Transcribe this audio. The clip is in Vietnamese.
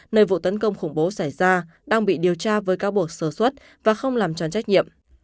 nơi vụ tấn công khủng bố xảy ra đang bị điều tra với cáo buộc sơ xuất và không làm tròn trách nhiệm